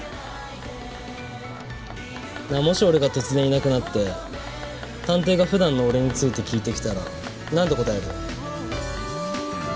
なあもし俺が突然いなくなって探偵が普段の俺について聞いてきたらなんて答える？